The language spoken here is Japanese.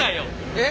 えっ？